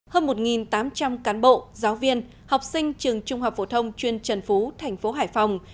hơn một tám trăm linh cán bộ giáo viên học sinh trường trung học phổ thông chuyên trần phú thành phố hải phòng